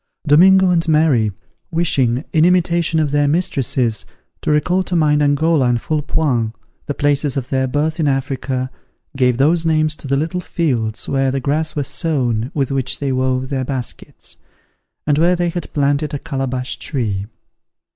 Domingo and Mary, wishing, in imitation of their mistresses, to recall to mind Angola and Foullepoint, the places of their birth in Africa, gave those names to the little fields where the grass was sown with which they wove their baskets, and where they had planted a calabash tree.